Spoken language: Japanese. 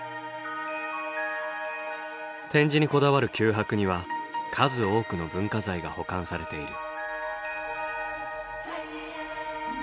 展示にこだわる九博には数多くの文化財が保管されている。